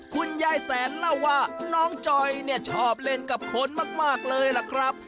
คุณยายแสนเล่าว่าน้องจอยเนี่ยชอบเล่นกับคนมากเลยล่ะครับ